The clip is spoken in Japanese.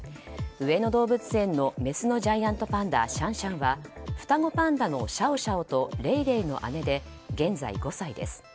上野動物園のメスのジャイアントパンダシャンシャンは双子パンダのシャオシャオとレイレイの姉で、現在５歳です。